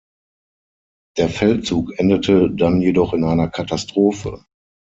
Der Feldzug endete dann jedoch in einer Katastrophe.